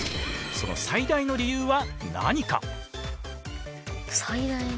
その最大の理由は何か？